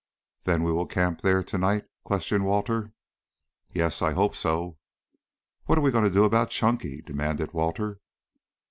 "Then we will camp there to night?" questioned Walter. "Yes, I hope so." "What are we going to do about Chunky?" demanded Walter.